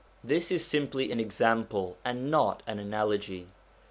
This is simply an example, and not an analogy.